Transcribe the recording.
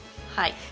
はい。